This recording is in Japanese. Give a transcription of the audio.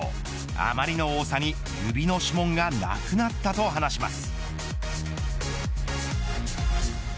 あまりの多さに、指の指紋がなくなったと話します。